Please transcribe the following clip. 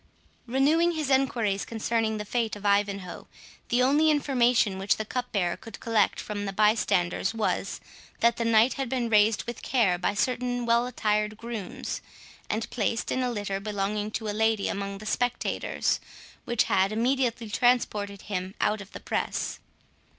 Renewing his enquiries concerning the fate of Ivanhoe, the only information which the cupbearer could collect from the bystanders was, that the knight had been raised with care by certain well attired grooms, and placed in a litter belonging to a lady among the spectators, which had immediately transported him out of the press.